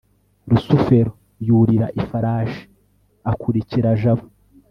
rusufero yurira ifarashi akurikira jabo